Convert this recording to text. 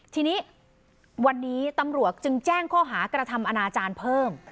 ทีนี้วันนี้ตำรวจจึงแจ้งข้อหากระทำอนาจารย์เพิ่ม